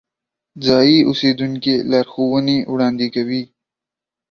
ځایی اوسیدونکي لارښوونې وړاندې کوي.